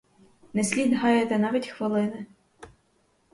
Не слід гаяти навіть хвилини!